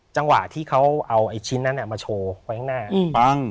จังหวะที่เขาเอาไอ้ชิ้นนั้นมาโชว์ไว้ข้างหน้าปั้ง